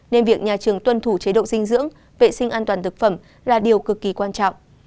nên việc nhà trường tuân thủ chế độ dinh dưỡng vệ sinh an toàn thực phẩm là điều cực kỳ quan trọng